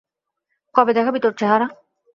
কবে দেখাবি তোর চেহারা?